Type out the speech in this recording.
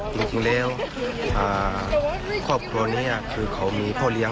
จริงแล้วครอบครัวนี้คือเขามีพ่อเลี้ยง